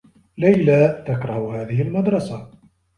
ليلى تكره هذه المدرسة.